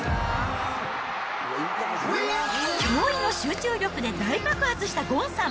驚異の集中力で大爆発したゴンさん。